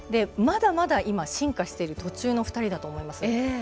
まだまだ進化している途中の２人だと思います。